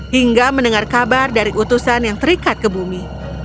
hingga mendengar kabar dari utusan yang terikat ke bumi